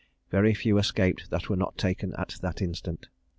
Very few escaped that were not taken at that instant.